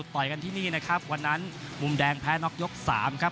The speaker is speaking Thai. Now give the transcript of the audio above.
ดังนั้นมุมแดงแพ้น็อคยก๓ครับ